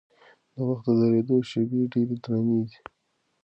د وخت د درېدو شېبې ډېرې درنې وي.